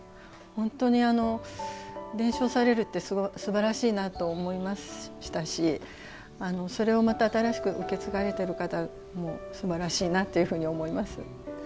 本当に伝承されるってすばらしいなと思いましたしそれをまた新しく受け継がれている方もすばらしいなというふうに思います。